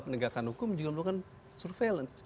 penegakan hukum juga melakukan surveillance